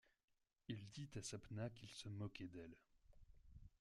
Il dit à Sapna qu’il se moquait d’elle.